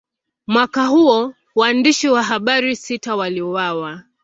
Mwaka huo, waandishi wa habari sita waliuawa.